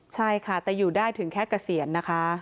ใช่ค่ะแต่อยู่ได้ถึงแค่เกษียณนะคะ